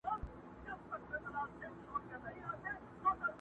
خامخا به څه سُرور د پیالو راوړي،